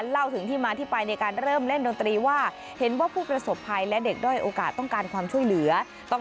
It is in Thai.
เล่าถึงที่มาที่ไปในการเริ่มเล่นดนตรีว่าเห็นว่าผู้ประสบภัยและเด็กด้อยโอกาสต้องการความช่วยเหลือต้อง